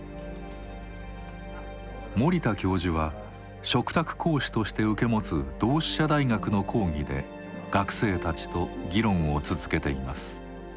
森田教授は嘱託講師として受け持つ同志社大学の講義で学生たちと議論を続けています。